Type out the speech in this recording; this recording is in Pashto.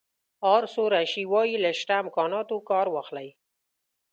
آرثور اشي وایي له شته امکاناتو کار واخلئ.